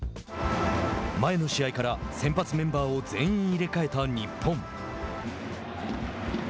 前の試合から先発メンバーを全員入れ替えた日本。